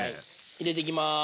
入れていきます。